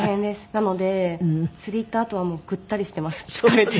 なので釣り行ったあとはもうぐったりしています疲れて。